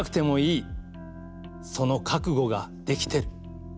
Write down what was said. その覚悟ができてる。